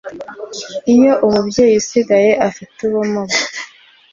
iyo umubyeyi usigaye afite ubumuga